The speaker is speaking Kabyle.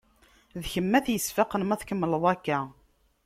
D kemm ara t-yesfaqen ma tkemmleḍ akka.